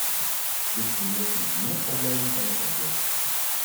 Dit creëert soms meer problemen dan het oplost!